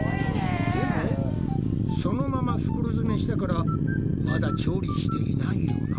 でもそのまま袋詰めしたからまだ調理していないよな。